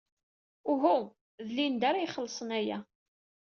Uhu, d Linda ara ixellṣen aya.